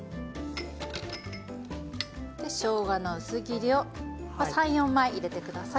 しょうがの薄切りを３、４枚、入れてください。